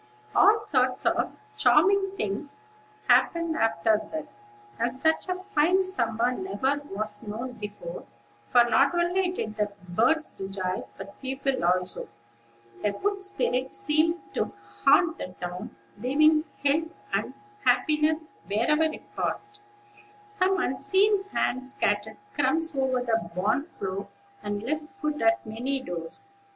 All sorts of charming things happened after that, and such a fine summer never was known before; for not only did the birds rejoice, but people also. A good spirit seemed to haunt the town, leaving help and happiness wherever it passed. Some unseen hand scattered crumbs over the barn floor, and left food at many doors.